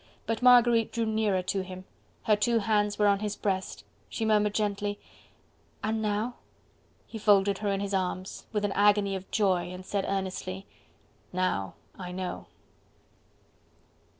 But Marguerite drew nearer to him; her two hands were on his breast; she murmured gently: "And now?..." He folded her in his arms, with an agony of joy, and said earnestly: "Now I know."